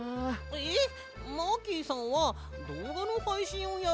えっマーキーさんはどうがのはいしんをやるんじゃないの？